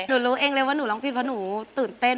หนูรู้เองเลยว่าหนูร้องผิดเพราะหนูตื่นเต้น